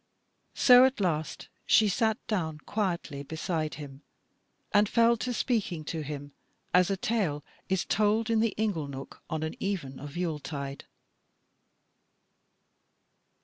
So at last she sat down quietly beside him, and fell to speaking to him, as a tale is told in the ingle nook on an even of Yule tide.